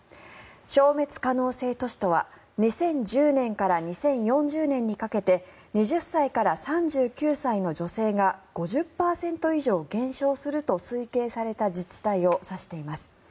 消滅可能性都市とは２０１０年から２０４０年にかけて２０歳から３９歳の女性が５０％以上減少すると推計された自治体を指しています。